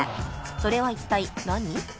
それは一体何？